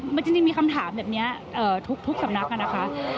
มันจริงมีคำถามแบบนี้ทุกสำนักนะคะ